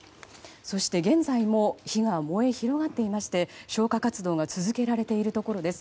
そして現在も火は燃え広がっていまして消火活動が続けられているところです。